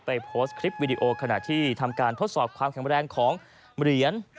โพสต์คลิปวิดีโอขณะที่ทำการทดสอบความแข็งแรงของเหรียญ